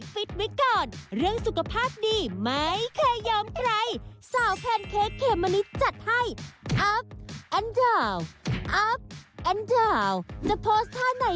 โปรดติดตามตอนต่อไป